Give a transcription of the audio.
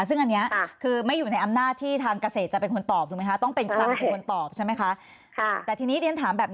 ซึ่งอันนี้คือไม่อยู่ในอำนาจที่ทางเกษตรจะเป็นคนตอบถูกไหมคะต้องเป็นใครเป็นคนตอบใช่ไหมคะ